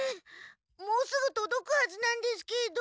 もうすぐとどくはずなんですけど。